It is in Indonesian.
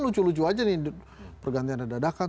lucu lucu aja nih pergantian dadakan